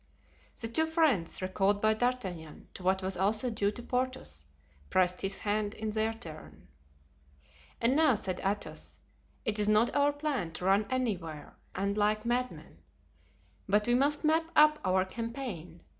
The two friends, recalled by D'Artagnan to what was also due to Porthos, pressed his hand in their turn. "And now," said Athos, "it is not our plan to run anywhere and like madmen, but we must map up our campaign.